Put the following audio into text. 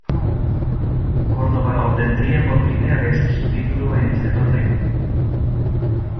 Córdova obtendría por primera vez su título en este torneo.